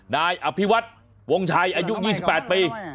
นายอภิวัฒน์วงชัยอายุ๒๘ปี